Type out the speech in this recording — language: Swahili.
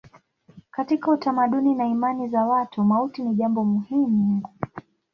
Katika utamaduni na imani za watu mauti ni jambo muhimu.